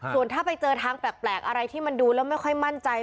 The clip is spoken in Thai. ส่วนถ้าไปเจอทางแปลกอะไรที่มันดูแล้วไม่ค่อยมั่นใจ